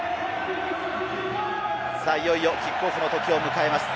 いよいよキックオフのときを迎えます。